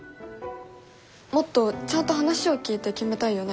もっとちゃんと話を聞いて決めたいよね。